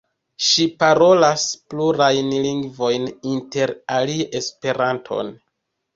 Ŝi parolas plurajn lingvojn inter alie Esperanton.